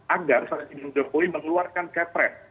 agar presiden jokowi mengeluarkan kepres